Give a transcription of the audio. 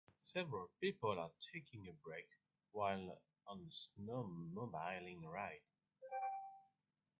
Several people are taking a break while on a snowmobiling ride.